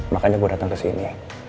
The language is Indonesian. makanya gue datang ke sini